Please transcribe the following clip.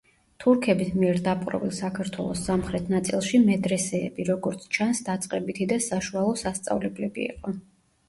თურქების მიერ დაპყრობილ საქართველოს სამხრეთ ნაწილში მედრესეები, როგორც ჩანს, დაწყებითი და საშუალო სასწავლებლები იყო.